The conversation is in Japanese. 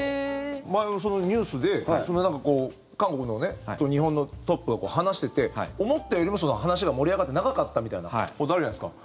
前もニュースで韓国と日本のトップが話してて思ったよりも話が盛り上がって長かったみたいなことあるじゃないですか。